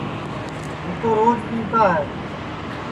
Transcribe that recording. ہوں تو روج پیوتا ہے